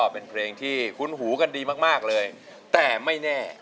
เป็นเพลงที่คุ้นหูกันดีมากเลยแต่ไม่แน่